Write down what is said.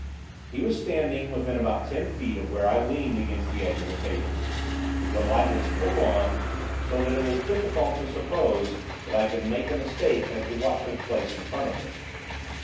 He was standing within about ten feet of where I leaned against the edge of the table. The light was full on, so that it was difficult to suppose that I could make a mistake as to what took place in front of me.